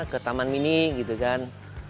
ke taman mini gitu kan